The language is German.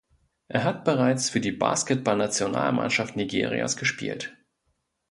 Er hat bereits für die Basketball-Nationalmannschaft Nigerias gespielt.